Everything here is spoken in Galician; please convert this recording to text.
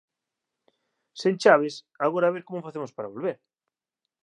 Sen chaves, agora a ver como facemos para volver.